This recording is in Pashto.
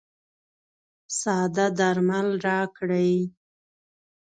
ساده درمل راکړئ.